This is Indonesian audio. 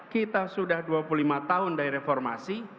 kita sudah dua puluh lima tahun dari reformasi